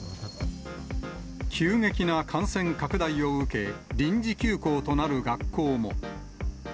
急激な感染拡大を受け、臨時休校となる学校も。